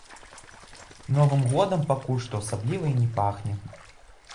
Новым годам пакуль што асабліва і не пахне.